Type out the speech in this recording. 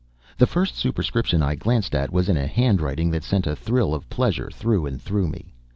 The first superscription I glanced at was in a handwriting that sent a thrill of pleasure through and through me.